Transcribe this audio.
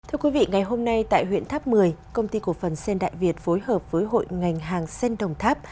thưa quý vị ngày hôm nay tại huyện tháp một mươi công ty cổ phần sen đại việt phối hợp với hội ngành hàng sen đồng tháp